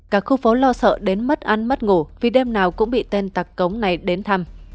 cả khu phố lo sợ đến mất ăn mất ngủ vì đêm nào cũng bị tên tặc cống này đến thăm